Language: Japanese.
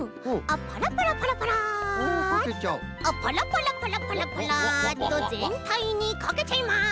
あっパラパラパラパラパラッとぜんたいにかけちゃいます。